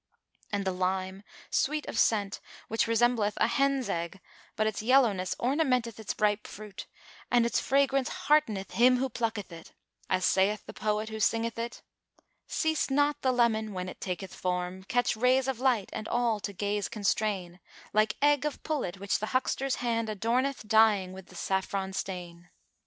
And the lime sweet of scent, which resembleth a hen's egg, but its yellowness ornamenteth its ripe fruit, and its fragrance hearteneth him who plucketh it, as saith the poet who singeth it, "Seest not the Lemon, when it taketh form, * Catch rays of light and all to gaze constrain; Like egg of pullet which the huckster's hand * Adorneth dyeing with the saffron stain?"